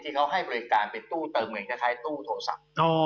ให้เขาให้บริการเป็นตู้เติมเงินคล้ายตู้โทรศัพท์